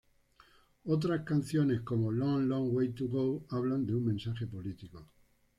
Otras canciones, como ""Long Long Way to Go" hablan de un mensaje político.